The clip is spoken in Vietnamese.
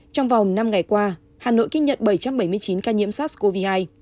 trong vòng năm ngày qua hà nội ghi nhận bảy trăm bảy mươi chín ca nhiễm sars cov hai